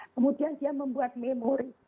kemudian dia membuat memory